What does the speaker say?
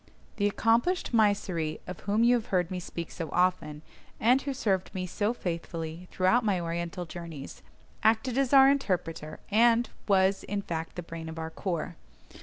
The accomplished Mysseri, of whom you have heard me speak so often, and who served me so faithfully throughout my Oriental journeys, acted as our interpreter, and was, in fact, the brain of our corps.